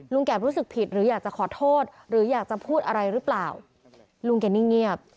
แก่รู้สึกผิดหรืออยากจะขอโทษหรืออยากจะพูดอะไรหรือเปล่าลุงแกนิ่งเงียบ